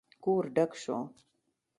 کور ډک شو.